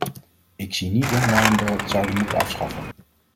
Ik zie niet in waarom we het zouden moeten afschaffen.